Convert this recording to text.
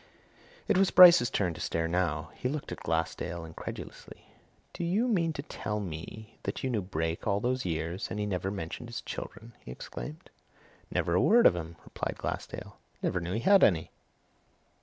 It was Bryce's turn to stare now. He looked at Glassdale incredulously. "Do you mean to tell me that you knew Brake all those years and that he never mentioned his children?" he exclaimed. "Never a word of 'em!" replied Glassdale. "Never knew he had any!"